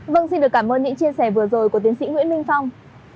vâng xin được cảm ơn những chia sẻ vừa rồi của tiến sĩ nguyễn minh phong